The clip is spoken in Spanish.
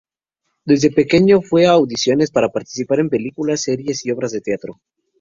Desde pequeño fue a audiciones para participar en películas, series y obras de teatro.